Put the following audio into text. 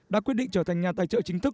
đã quyết định trở thành nhà tài trợ chính thức